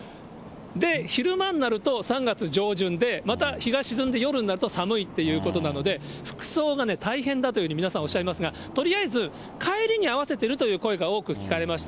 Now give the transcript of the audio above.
昼間になると、３月上旬で、また、日が沈んで夜になると寒いっていうことなんで、服装がね、大変だというふうに皆さん、おっしゃいますが、とりあえず、帰りに合わせてるという声が多く聞かれました。